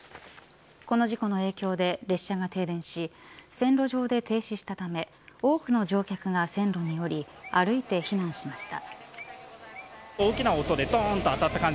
この事故の影響で列車が停電し線路上で停止したため多くの乗客が線路に降り歩いて避難しました。